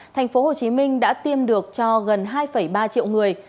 tp hcm đã tiêm được cho gần hai ba triệu người